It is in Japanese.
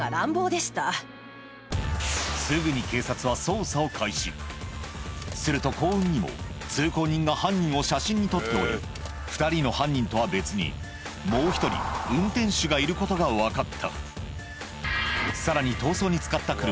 すぐに警察はすると幸運にも通行人が犯人を写真に撮っており２人の犯人とは別にもう１人ことが分かったさらに